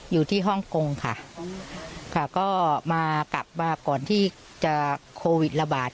ฮ่องกงค่ะค่ะก็มากลับมาก่อนที่จะโควิดระบาด